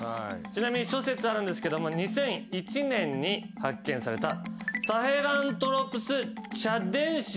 ちなみに諸説あるんですけども２００１年に発見された。